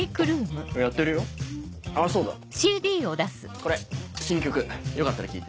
これ新曲よかったら聴いて。